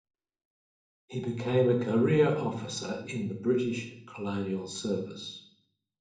He became a career officer in the British Colonial Service.